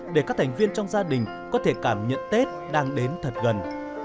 để các thành viên trong gia đình có thể cảm nhận tết đang đến thật gần